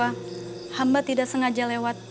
hapunten kipurwa hamba tidak sengaja lewat